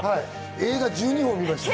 映画１２本見ました。